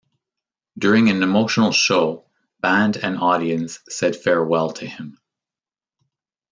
During an emotional show band and audience said farewell to him.